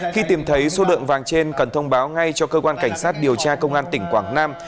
khi tìm thấy số lượng vàng trên cần thông báo ngay cho cơ quan cảnh sát điều tra công an tỉnh quảng nam